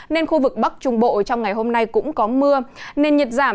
nên khu vực bắc trung bộ trong ngày hôm nay cũng có mưa